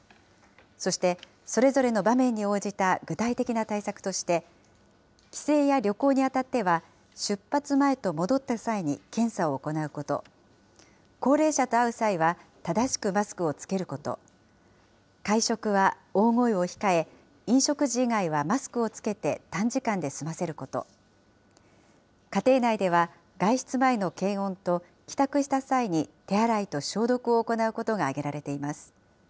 そしてそれぞれの場面に応じた具体的な対策として、帰省や旅行にあたっては、出発前と戻った際に検査を行うこと、高齢者と会う際は正しくマスクを着けること、会食は大声を控え、飲食時以外はマスクを着けて短時間で済ませること、家庭内では外出前の検温と、帰宅した際に手洗いと消毒を行うことが挙げられています。